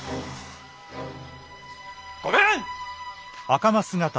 御免！